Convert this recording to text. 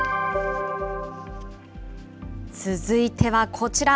続いてはこちら。